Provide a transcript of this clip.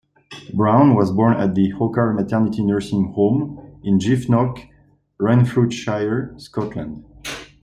Brown was born at the Orchard Maternity Nursing Home in Giffnock, Renfrewshire, Scotland.